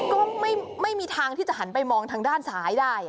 ก็ไม่มีทางที่จะหันไปมองทางด้านซ้ายได้